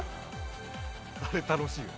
あれ楽しいよ。